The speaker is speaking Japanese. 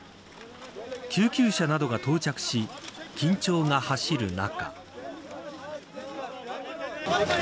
救急車などが到着し緊張が走る中。